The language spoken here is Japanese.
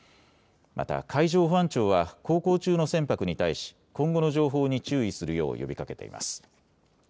また海上保安庁は航行中の船舶に対し今後の情報に注意するよう呼びかけています。